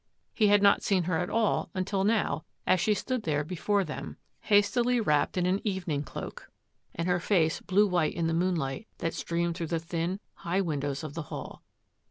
He had not seen her at all until now as she stood there before them, hastily wrapped in an evening cloak, and her face blue white in the moonlight that streamed through the thin, high windows of the Hall.